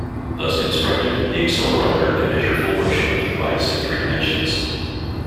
Thus constructed, the accelerometer can measure full motion of the device in three dimensions.